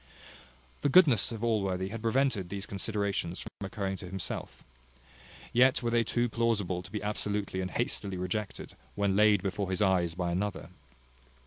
The goodness of Allworthy had prevented those considerations from occurring to himself; yet were they too plausible to be absolutely and hastily rejected, when laid before his eyes by another.